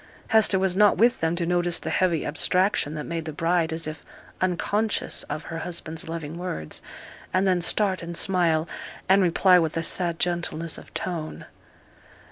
Hester was not with them to notice the heavy abstraction that made the bride as if unconscious of her husband's loving words, and then start and smile, and reply with a sad gentleness of tone.